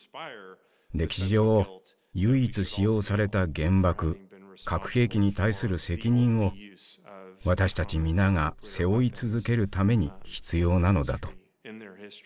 歴史上唯一使用された原爆核兵器に対する責任を私たち皆が背負い続けるために必要なのだと。